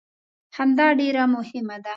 همدا ډېره مهمه ده.